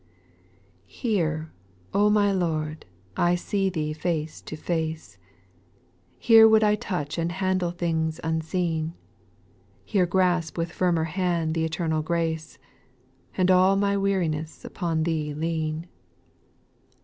1. TTERE, O my Lord, I see Thee face to face ; XI Here would I touch and handle things unseen ; Here grasp with firmer hand th' eternal grace, And all my weariness upon Thee lean.